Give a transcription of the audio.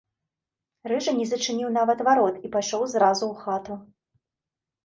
Рыжы не зачыніў нават варот, а пайшоў зразу ў хату.